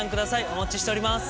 お待ちしております。